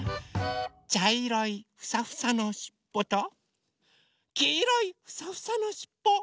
ちゃいろいフサフサのしっぽときいろいフサフサのしっぽ。